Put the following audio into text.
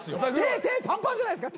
手パンパンじゃないですか。